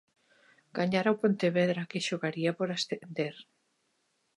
Gañara o Pontevedra que xogaría por ascender.